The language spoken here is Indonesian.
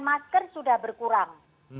masker sudah berkurang